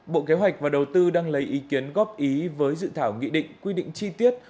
bộ kế hoạch và đầu tư đang lấy ý kiến góp ý với dự thảo nghị định quy định chi tiết